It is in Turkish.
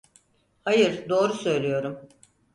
Hayır, doğru söylüyorum.